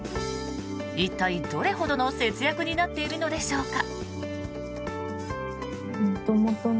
一体、どれほどの節約になっているのでしょうか。